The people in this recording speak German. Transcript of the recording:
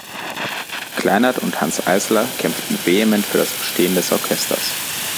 Kleinert und Hanns Eisler kämpften vehement für das Bestehen des Orchesters.